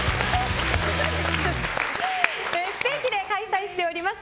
不定期で開催しております